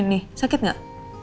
nih sakit gak